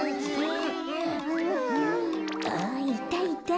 あっいたいた。